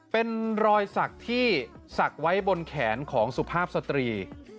เป็นรอยสักที่ศักดิ์ไว้บนแขนของสุภาพสตรี